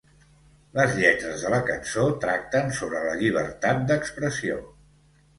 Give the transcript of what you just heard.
Les lletres de la cançó tracten sobre la llibertat d'expressió.